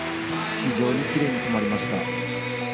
非常にキレイに決まりました。